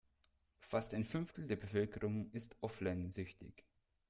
Fast ein Fünftel der Bevölkerung ist offline-süchtig.